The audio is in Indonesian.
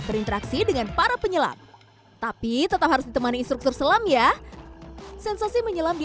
berinteraksi dengan para penyelam tapi tetap harus ditemani struktur selam ya sensasi menyelam di